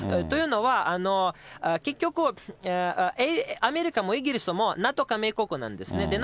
というのは、結局、アメリカもイギリスもＮＡＴＯ加盟国なんですね。